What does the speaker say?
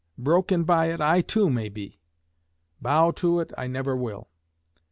Broken by it, I too may be; bow to it, I never will.